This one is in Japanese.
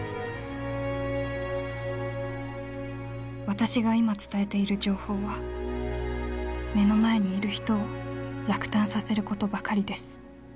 「私が今伝えている情報は目の前にいる人を落胆させることばかりです。